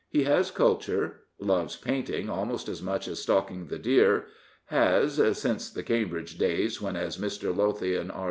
He has culture, loves painting almost as much as stalking the deer, has — since the Cambridge days when, as Mr. Low thian R.